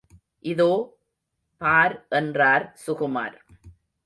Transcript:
இதோ, பார் என்றார் சுகுமார்.